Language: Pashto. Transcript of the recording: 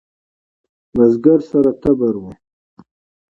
بزگر سره تبر و.